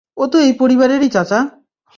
ও তো এই পরিবারেরই, চাচা!